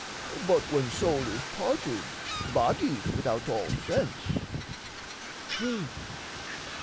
"But when soul is parted, Body's without all sense." True!